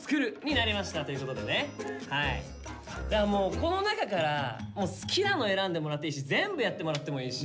この中から好きなの選んでもらっていいし全部やってもらってもいいし。